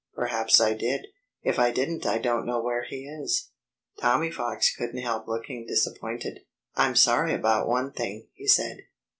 "Perhaps I did! If I didn't I don't know where he is." Tommy Fox couldn't help looking disappointed. "I'm sorry about one thing," he said.